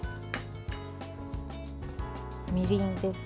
みりんです。